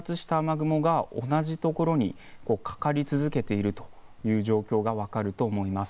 発達した雨雲が同じ所にかかり続けているという状況が分かると思います。